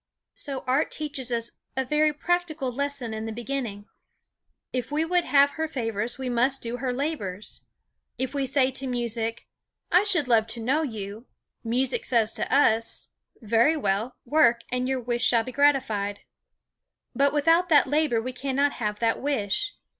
So art teaches us a very practical lesson in the beginning. If we would have her favors we must do her labors. If we say to music: "I should love to know you;" music says to us, "Very well, work and your wish shall be gratified." But without that labor we cannot have that wish.